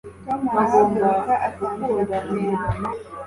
tom arahaguruka atangira kugenda